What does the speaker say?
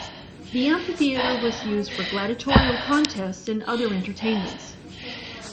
The amphitheater was used for gladiatorial contests and other entertainments.